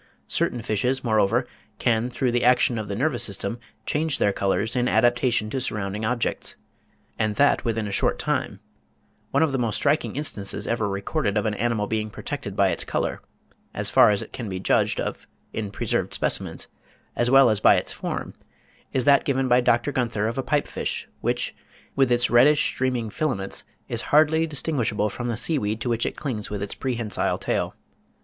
Certain fishes, moreover, can through the action of the nervous system change their colours in adaptation to surrounding objects, and that within a short time. (32. G. Pouchet, 'L'Institut.' Nov. 1, 1871, p. 134.) One of the most striking instances ever recorded of an animal being protected by its colour (as far as it can be judged of in preserved specimens), as well as by its form, is that given by Dr. Gunther (33. 'Proc. Zoolog. Soc.' 1865, p. 327, pl. xiv. and xv.) of a pipe fish, which, with its reddish streaming filaments, is hardly distinguishable from the sea weed to which it clings with its prehensile tail.